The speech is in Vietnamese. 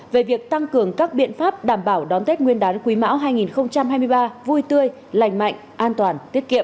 về việc tăng cường các biện pháp đảm bảo đón tết nguyên đán quý mão hai nghìn hai mươi ba vui tươi lành mạnh an toàn tiết kiệm